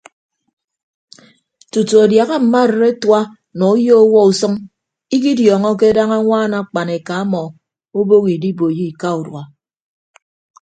Tutu adiaha mma arịd atua nọ uyo ọwuọ usʌñ ikidiọọñọke daña añwaan akpan eka ọmọ obooho idiboiyo ika urua.